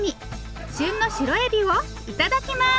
旬のシロエビをいただきます！